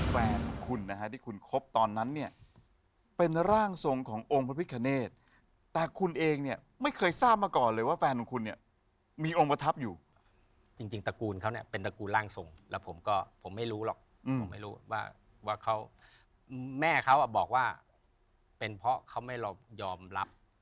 แฟนคุณนะฮะที่คุณคบตอนนั้นเนี่ยเป็นร่างทรงขององค์พระพิคเนธแต่คุณเองเนี่ยไม่เคยทราบมาก่อนเลยว่าแฟนของคุณเนี่ยมีองค์ประทับอยู่จริงตระกูลเขาเนี่ยเป็นตระกูลร่างทรงแล้วผมก็ผมไม่รู้หรอกผมไม่รู้ว่าว่าเขาแม่เขาบอกว่าเป็นเพราะเขาไม่เรายอมรับ